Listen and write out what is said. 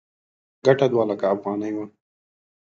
ګټه دوه لکه افغانۍ وه.